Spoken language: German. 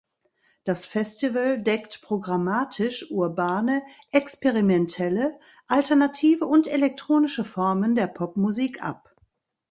Das Festival deckt programmatisch urbane, experimentelle, alternative und elektronische Formen der Popmusik ab.